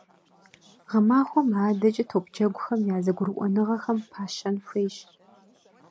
Гъэмахуэм адэкӀэ топджэгухэм я зэгурыӀуэныгъэхэм пащэн хуейщ.